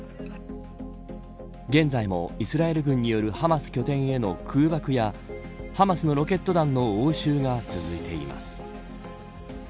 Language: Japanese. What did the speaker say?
現在もイスラエル軍によるハマス拠点への空爆やハマスのロケット弾の応酬が続いています。